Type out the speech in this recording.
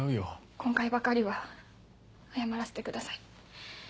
今回ばかりは謝らせてください。